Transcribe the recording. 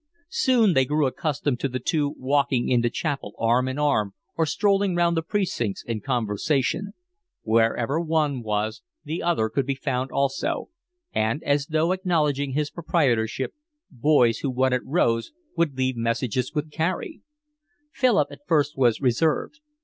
Soon they grew accustomed to the two walking into chapel arm in arm or strolling round the precincts in conversation; wherever one was the other could be found also, and, as though acknowledging his proprietorship, boys who wanted Rose would leave messages with Carey. Philip at first was reserved.